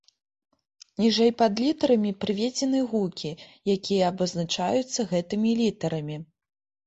Ніжэй пад літарамі прыведзены гукі, якія абазначаюцца гэтымі літарамі.